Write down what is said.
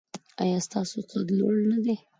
ایا ستاسو قد لوړ نه دی؟